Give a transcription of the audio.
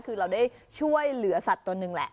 คือเราได้ช่วยเหลือสัตว์ตัวหนึ่งแหละ